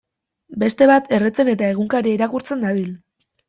Beste bat erretzen eta egunkaria irakurtzen dabil.